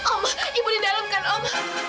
oh ibu di dalam kan om